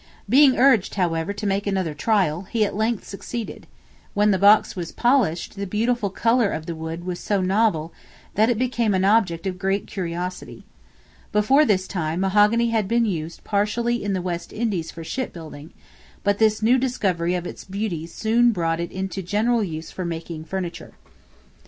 Being urged, however, to make another trial, he at length succeeded; when the box was polished, the beautiful color of the wood was so novel, that it became an object of great curiosity. Before this time, mahogany had been used partially in the West Indies for ship building, but this new discovery of its beauty soon brought it into general use for making furniture.